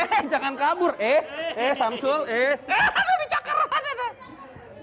eh jangan kabur eh samsul eh di cakar